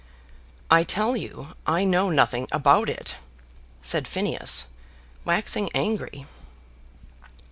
"I tell you I know nothing about it," said Phineas, waxing angry.